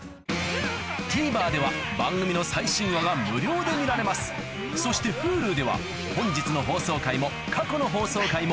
ＴＶｅｒでは番組の最新話が無料で見られますそしてＨｕｌｕでは本日の放送回も過去の放送回もいつでもどこでも見られます